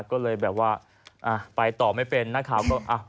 ก็เลยแบบว่าไปตอบไม่เป็นนะครับ